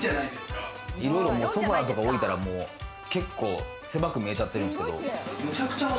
ソファとか置いたら、結構狭く見えちゃってるんですけれど。